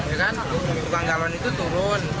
tukang galon itu turun